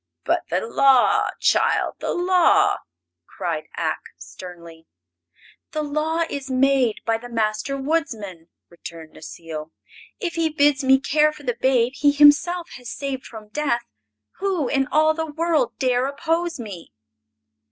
"But the Law, child, the Law!" cried Ak, sternly. "The Law is made by the Master Woodsman," returned Necile; "if he bids me care for the babe he himself has saved from death, who in all the world dare oppose me?"